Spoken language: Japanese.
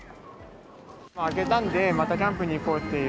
明けたんで、またキャンプに行こうっていう。